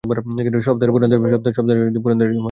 সপ্তাহান্তের পুরোটাই তোমার।